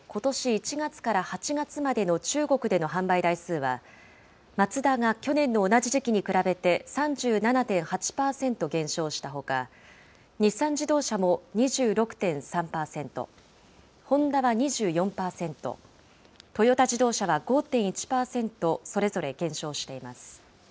１月から８月までの中国での販売台数は、マツダが去年の同じ時期に比べて３７．８％減少したほか、日産自動車も２６．３％、ホンダは２４％、トヨタ自動車は５．１％、それぞれ減少しています。